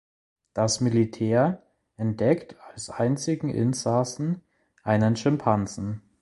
Das Militär entdeckt als einzigen Insassen einen Schimpansen.